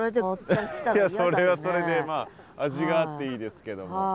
それはそれでまあ味があっていいですけども。